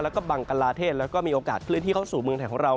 แล้วก็บังกลาเทศแล้วก็มีโอกาสเคลื่อนที่เข้าสู่เมืองไทยของเรา